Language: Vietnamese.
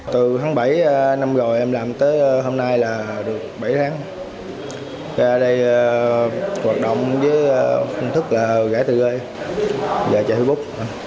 từ tháng bảy năm rồi em làm tới hôm nay là được bảy tháng ra đây hoạt động với phương thức là gãi tự gây gãi cho facebook